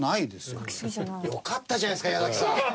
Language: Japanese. よかったじゃないですか矢崎さん！